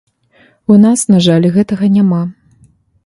У нас, на жаль, гэтага няма.